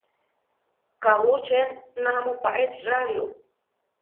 ¿Kabú ché namúpa échi radio?